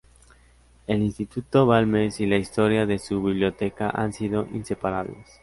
El Instituto Balmes y la historia de su biblioteca han sido inseparables.